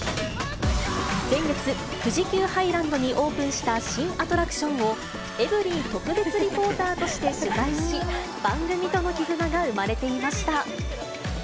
先月、富士急ハイランドにオープンした新アトラクションを、エブリィ特別リポーターとして取材し、番組との絆が生まれていました。